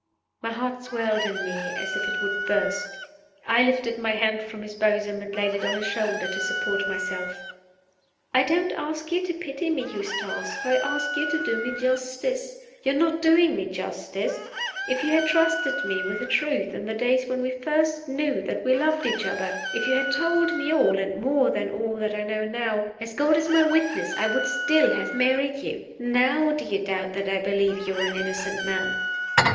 My heart swelled in me as if it would burst. I lifted my hand from his bosom, and laid it on his shoulder to support myself. "I don't ask you to pity me, Eustace; I ask you to do me justice. You are not doing me justice. If you had trusted me with the truth in the days when we first knew that we loved each other if you had told me all, and more than all that I know now as God is my witness I would still have married you! Now do you doubt that I believe you are an innocent man!"